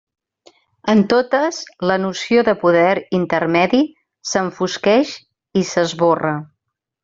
En totes, la noció de poder intermedi s'enfosqueix i s'esborra.